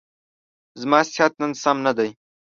زما صحت نن سم نه دی.